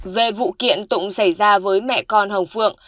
về vụ kiện tụng xảy ra với mẹ con hồng phượng